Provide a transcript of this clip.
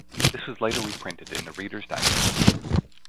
This was later reprinted in "the Reader's Digest".